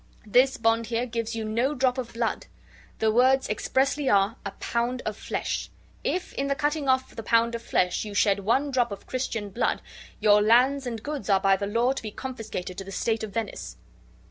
This bond here gives you no drop of blood; the words expressly are, 'a pound of flesh.' If in the cutting off the pound of flesh you shed one drop of Christian blood, your lands and goods are by the law to be confiscated to the state of Venice."